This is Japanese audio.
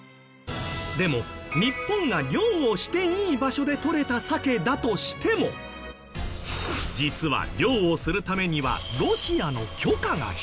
でも日本が漁をしていい場所でとれた鮭だとしても実は漁をするためにはロシアの許可が必要だった？